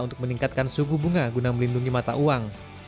untuk meningkatkan suku bunga guna melindungi mata uang